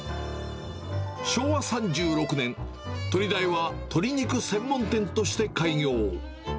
昭和３６年、鳥大は鶏肉専門店として開業。